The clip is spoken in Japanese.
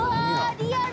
リアル！